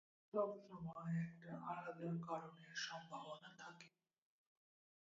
সবসময় একটা আলাদা কারণের সম্ভাবনা থাকে।